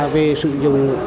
về sử dụng